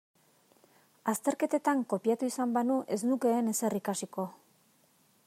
Azterketetan kopiatu izan banu ez nukeen ezer ikasiko.